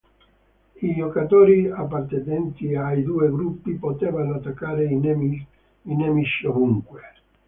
I giocatori appartenenti ai due gruppi potevano attaccare i nemici ovunque.